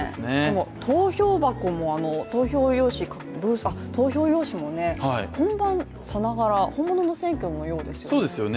投票箱も投票用紙も本番さながら本物の選挙のようですよね。